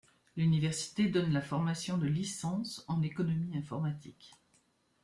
L'université donne la formation de Licence en économie informatique.